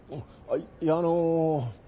いやあの。